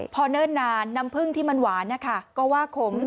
พอเนิ่นนานน้ำผึ้งที่มันหวานนะคะก็ว่าขม